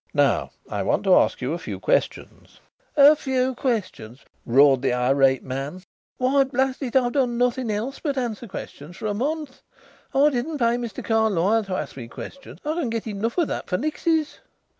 Now, I want to ask you a few questions." "A few questions!" roared the irate man. "Why, blast it, I have done nothing else but answer questions for a month. I didn't pay Mr. Carlyle to ask me questions; I can get enough of that for nixes.